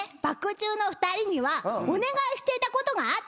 チューの２人にはお願いしていたことがあったの！